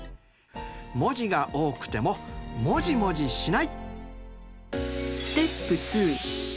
文字が多くてももじもじしない！